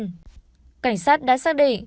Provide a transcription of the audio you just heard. cảnh sát đã xác định